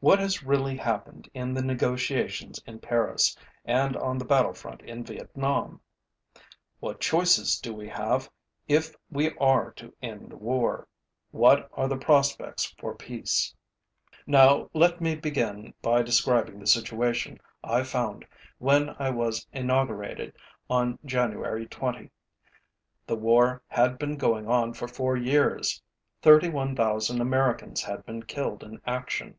What has really happened in the negotiations in Paris and on the battlefront in Vietnam? What choices do we have if we are to end the war? What are the prospects for peace? Now let me begin by describing the situation I found when I was inaugurated on January 20: The war had been going on for four years. Thirty one thousand Americans had been killed in action.